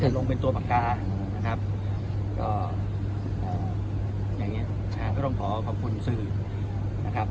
ลงเป็นตัวประกันนะครับก็อย่างเงี้ก็ต้องขอขอบคุณสื่อนะครับ